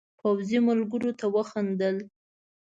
پوځي ملګرو ته وخندل.